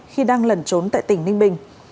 khi đang lẩn trốn tại tỉnh ninh bình